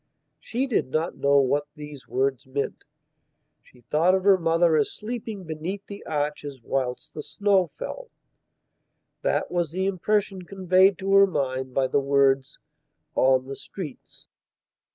She did not know what these words meant. She thought of her mother as sleeping beneath the arches whilst the snow fell. That was the impression conveyed to her mind by the words "on the streets".